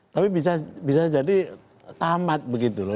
tapi bisa jadi tamat begitu loh